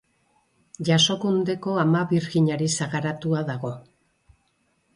Jasokundeko Ama Birjinari sagaratua dago.